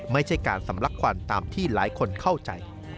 ไม่ใช่การสำลักควันตามที่หลายคนเข้าใจ